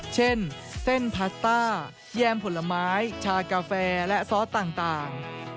เช่นเส้นพาสต้าแยมผลไม้ชากาแฟและซอสต่าง